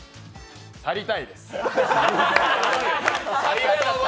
去りたいです。